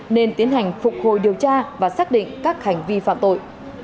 nên tiến hành phục hồi điều tra và xác định các hành vi phạm tội